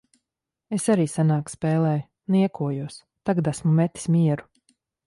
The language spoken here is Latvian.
Es arī senāk spēlēju. Niekojos. Tagad esmu metis mieru.